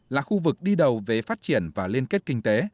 là khu vực đi đầu về phát triển và liên kết kinh tế